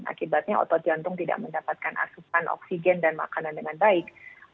akibatnya otot jantung tidak mendapatkan asupan oksigen dan makanan dengan baik